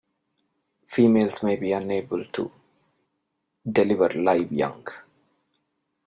Females may be unable to deliver live young.